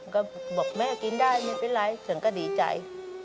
ก็บอกแม่กินได้ไม่เป็นไรฉันก็ดีใจ